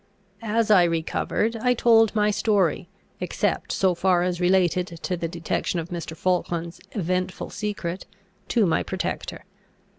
As I recovered, I told my story, except so far as related to the detection of Mr. Falkland's eventful secret, to my protector.